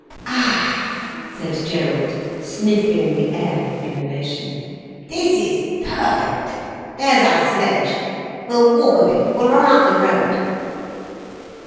"Ah," said Gerald, sniffing the air in elation, "this is perfect. There's our sledge. We'll walk a bit—we'll run up the road."